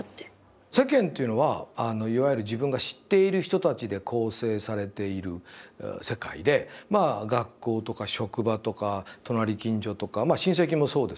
「世間」っていうのはあのいわゆる自分が知っている人たちで構成されている世界でまあ学校とか職場とか隣近所とかまあ親戚もそうですね。